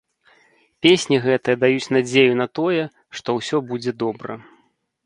Песні гэтыя даюць надзею на тое, што ўсё будзе добра.